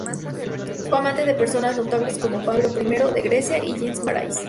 Fue amante de personas notables como Pablo I de Grecia y Jean Marais.